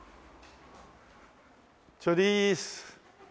チョリース。